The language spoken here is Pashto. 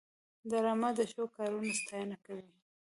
ډرامه د ښو کارونو ستاینه کوي